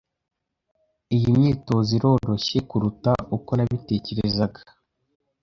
Iyi myitozo iroroshye kuruta uko nabitekerezaga. (djtait)